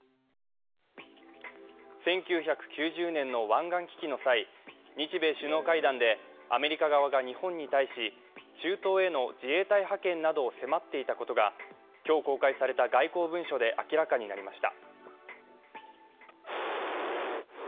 １９９０年の湾岸危機の際、日米首脳会談でアメリカ側が日本に対し、中東への自衛隊派遣などを迫っていたことが今日公開された外交文書で明らかになりました。